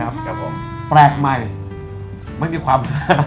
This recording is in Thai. ไม่มีความไม่มีความ